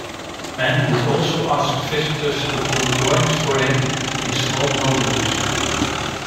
Man would also ask visitors to do drawings for him in small notebooks.